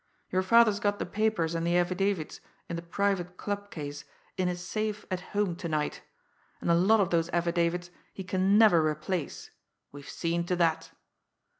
Your father's got the papers and the affidavits in the 'Private Club' case in his safe at home to night, and a lot of those affidavits he can never replace we've seen to that!